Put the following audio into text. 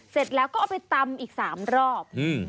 เสร็จแล้วก็เอาไปตำอีก๓รอบ